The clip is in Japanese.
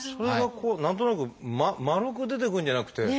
それがこう何となく丸く出てくるんじゃなくて。